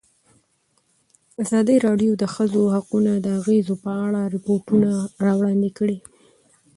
ازادي راډیو د د ښځو حقونه د اغېزو په اړه ریپوټونه راغونډ کړي.